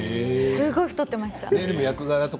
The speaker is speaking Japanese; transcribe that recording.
すごく太っていました。